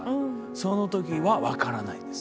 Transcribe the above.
その時はわからないんです。